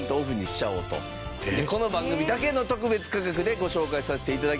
この番組だけの特別価格でご紹介させて頂きます。